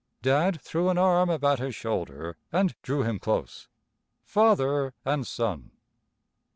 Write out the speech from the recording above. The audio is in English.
Dad threw an arm about his shoulder and drew him close father and son.